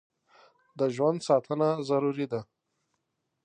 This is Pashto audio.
د ژوند ساتنه ضروري ده.